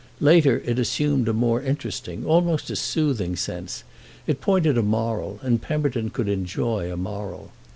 Later it assumed a more interesting, almost a soothing, sense: it pointed a moral, and Pemberton could enjoy a moral.